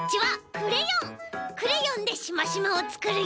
クレヨンでシマシマをつくるよ！